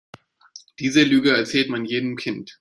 Diese Lüge erzählt man jedem Kind.